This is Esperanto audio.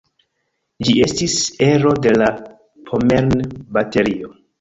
Ĝi estis ero de la "Pommern-Baterio".